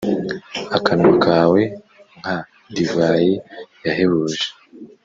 akanwa kawe nka divayi yahebuje ...